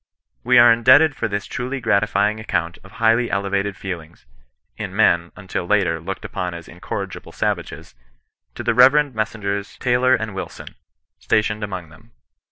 We are indebted for this truly gratifying account of highly elevated feelings (in men, until lately, looked upon as incorrigible savages), to the Rev. Messrs. Taylor and Wilson, stationed among them.